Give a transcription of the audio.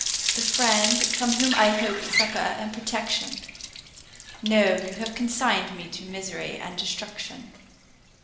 the friend from whom I hoped succour and protection? No, you have consigned me to misery and destruction!